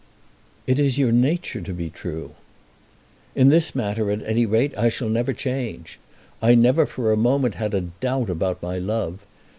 "It is your nature to be true." "In this matter, at any rate, I shall never change. I never for a moment had a doubt about my love.